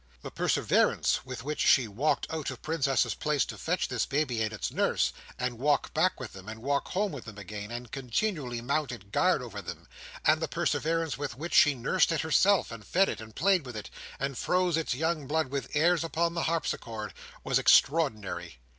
The perseverance with which she walked out of Princess's Place to fetch this baby and its nurse, and walked back with them, and walked home with them again, and continually mounted guard over them; and the perseverance with which she nursed it herself, and fed it, and played with it, and froze its young blood with airs upon the harpsichord, was extraordinary.